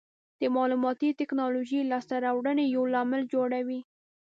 د معلوماتي ټکنالوژۍ لاسته راوړنې یو لامل جوړوي.